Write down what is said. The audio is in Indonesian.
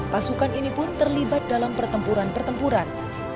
pasukan ini pun terlibat dalam pertempuran pertempuran